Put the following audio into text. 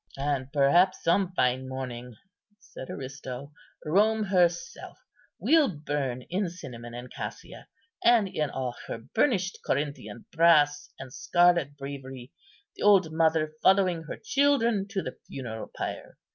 "And perhaps some fine morning," said Aristo, "Rome herself will burn in cinnamon and cassia, and in all her burnished Corinthian brass and scarlet bravery, the old mother following her children to the funeral pyre.